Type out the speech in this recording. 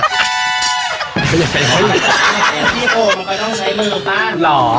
ไม่อยากไปเลอะ